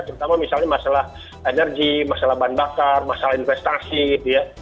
terutama misalnya masalah energi masalah bahan bakar masalah investasi gitu ya